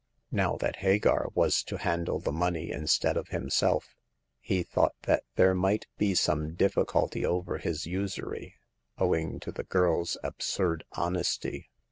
Now that Hagar was to handle the money instead of himself, he thought that there might be some difficulty over his usury, owing to the girl's absurd honesty.